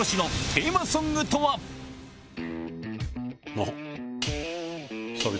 あっ！